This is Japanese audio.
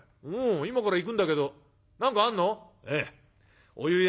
今から行くんだけど何かあんの？」。